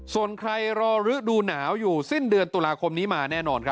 ส่วนใครรอฤดูหนาวอยู่สิ้นเดือนตุลาคมนี้มาแน่นอนครับ